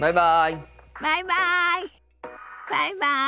バイバイ。